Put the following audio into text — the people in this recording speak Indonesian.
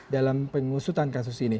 dalam pengusutan kasus ini